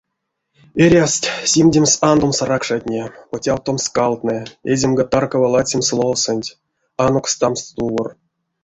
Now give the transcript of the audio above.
Эрявсть симдемс-андомс ракшатне, потявтомс скалтнэ, эземга-таркава ладсемс ловсонть, анокстамс стувор.